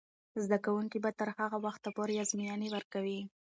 زده کوونکې به تر هغه وخته پورې ازموینې ورکوي.